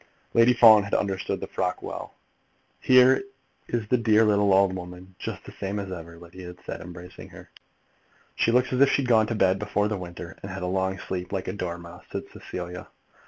Lady Fawn had understood the frock well. "Here is the dear little old woman just the same as ever," Lydia had said, embracing her. "She looks as if she'd gone to bed before the winter, and had a long sleep, like a dormouse," said Cecilia.